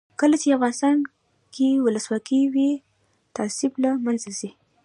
کله چې افغانستان کې ولسواکي وي تعصب له منځه ځي.